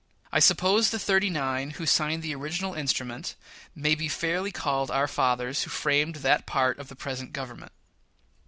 I suppose the "thirty nine" who signed the original instrument may be fairly called our fathers who framed that part of the present Government.